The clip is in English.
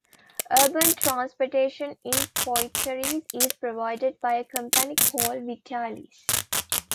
Urban transportation in Poitiers is provided by a company called Vitalis.